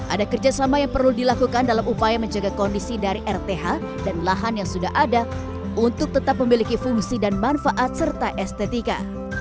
ada kerjasama yang perlu dilakukan dalam upaya menjaga kondisi dari rth dan lahan yang sudah ada untuk tetap memiliki fungsi dan manfaat serta estetika